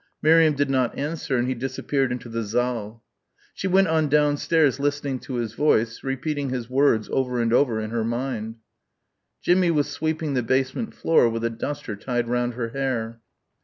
Miriam did not answer and he disappeared into the saal. She went on downstairs listening to his voice, repeating his words over and over in her mind. Jimmie was sweeping the basement floor with a duster tied round her hair.